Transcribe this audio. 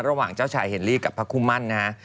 ระหว่างเจ้าชายเฮลลี่กับพระคุมั่นนะฮะ